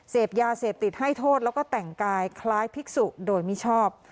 เสพยาเสพติดให้โทษแล้วก็แต่งกายคล้ายภิกษุโดยมิชอบ